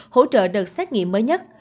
hỗ trợ đợt xét nghiệm mới nhất